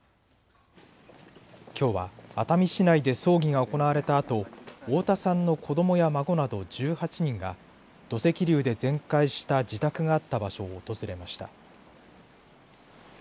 きょうは熱海市内で葬儀が行われたあと太田さんの子どもや孫など１８人が土石流で全壊した自宅があった場所を訪れました。